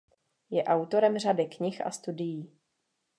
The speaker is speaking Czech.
Je autorem řady knih a studií.